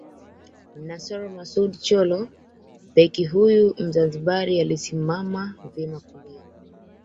Nassor Masoud Chollo Beki huyu Mzanzibari alisimama vyema kulia